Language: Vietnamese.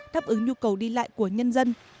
đáp ứng nhu cầu đi lại của nhân dân